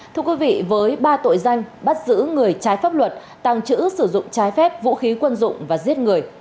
thưa quý vị với ba tội danh bắt giữ người trái pháp luật tăng trữ sử dụng trái phép vũ khí quân dụng và giết người